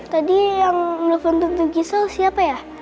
tadi yang telepon tuntung kisau siapa ya